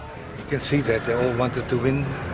anda bisa lihat mereka semua ingin menang